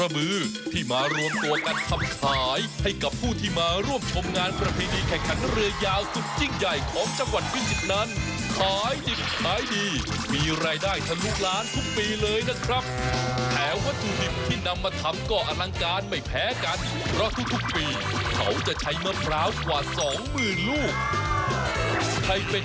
เทพธนาคารกรุงเทพธนาคารกรุงเทพธนาคารกรุงเทพธนาคารกรุงเทพธนาคารกรุงเทพธนาคารกรุงเทพธนาคารกรุงเทพธนาคารกรุงเทพธนาคารกรุงเทพธนาคารกรุงเทพธนาคารกรุงเทพธนาคารกรุงเทพธนาคารกรุงเทพธนาคารกรุงเทพธนาคารกรุงเทพธนาคารกรุงเทพธนาคารกรุง